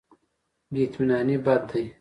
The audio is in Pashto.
بې اطمیناني بد دی.